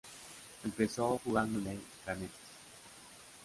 Empezó jugando en el Cannes.